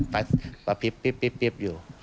ไฟพริบอยู่